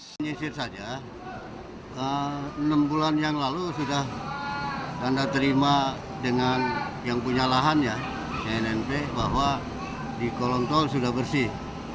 menyisir saja enam bulan yang lalu sudah tanda terima dengan yang punya lahan ya cnnp bahwa di kolong tol sudah bersih